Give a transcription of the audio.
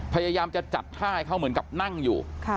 พยายามจะจัดท่าให้เขาเหมือนกับนั่งอยู่